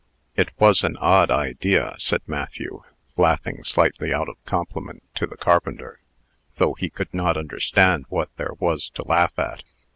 "It was an odd idea," said Matthew, laughing slightly out of compliment to the carpenter, though he could not understand what there was to laugh at.